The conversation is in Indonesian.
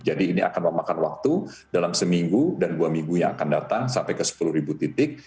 jadi ini akan memakan waktu dalam seminggu dan dua minggu yang akan datang sampai ke sepuluh titik